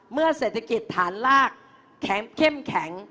เมื่อเศรษฐกิจฐานลากแข็งเข้มแข็ง